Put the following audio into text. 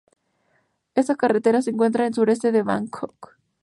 Esta carretera se encuentra al sureste de Bangkok.